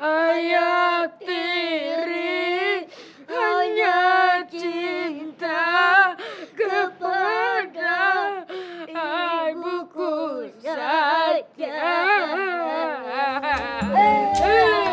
ayat diri hanya cinta kepada ibuku saja